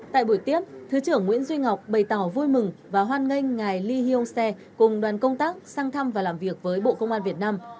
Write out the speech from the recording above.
tại buổi tiếp thứ trưởng nguyễn duy ngọc bày tỏ vui mừng và hoan nghênh ngài lee hyong seo cùng đoàn công tác sang thăm và làm việc với bộ công an việt nam